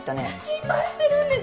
心配してるんです。